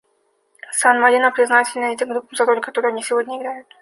СанМарино признательно этим группам за роль, которую они сегодня играют.